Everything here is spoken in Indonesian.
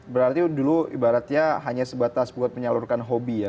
berarti dulu ibaratnya hanya sebatas buat menyalurkan hobi ya